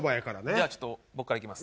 じゃあちょっと僕からいきます。